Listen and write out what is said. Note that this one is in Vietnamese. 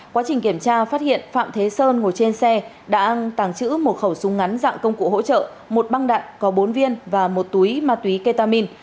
quá trình kiểm tra phát hiện phạm thế sơn ngồi trên xe đã tàng trữ một khẩu súng ngắn dạng công cụ hỗ trợ một băng đạn có bốn viên và một túi ma túy ketamin